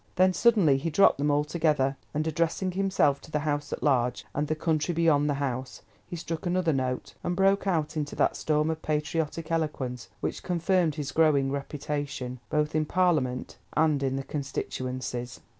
Then suddenly he dropped them altogether, and addressing himself to the House at large, and the country beyond the House, he struck another note, and broke out into that storm of patriotic eloquence which confirmed his growing reputation, both in Parliament and in the constituencies.